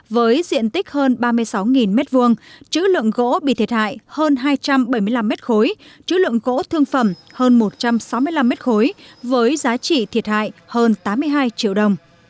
với diện tích hơn ba mươi sáu m hai chứ lượng gỗ bị thiệt hại hơn hai trăm bảy mươi năm m ba chứ lượng gỗ thương phẩm hơn một trăm sáu mươi năm m ba với giá trị thiệt hại hơn tám mươi hai triệu đồng